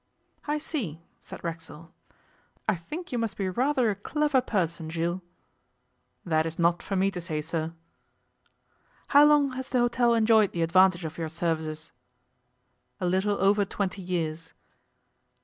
'I see,' said Racksole. 'I think you must be rather a clever person, Jules.' 'That is not for me to say, sir.' 'How long has the hotel enjoyed the advantage of your services?' 'A little over twenty years.